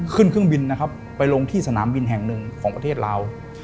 ขึ้นเครื่องบินนะครับไปลงที่สนามบินแห่งหนึ่งของประเทศลาว